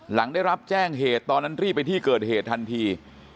หลังได้รับแจ้งเหตุตอนนั้นรีบไปที่เกิดเหตุทันที